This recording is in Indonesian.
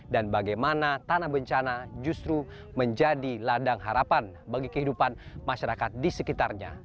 dan bagaimana tanah bencana justru menjadi ladang harapan bagi kehidupan masyarakat di sekitarnya